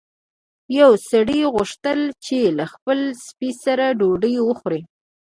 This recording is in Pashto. یو سړي غوښتل چې له خپل سپي سره ډوډۍ وخوري.